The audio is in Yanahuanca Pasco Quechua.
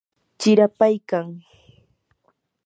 chirapaykan.